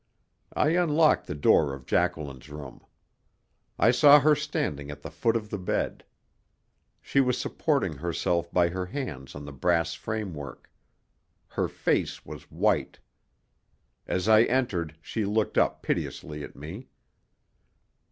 I unlocked the door of Jacqueline's room. I saw her standing at the foot of the bed. She was supporting herself by her hands on the brass framework. Her face was white. As I entered she looked up piteously at me.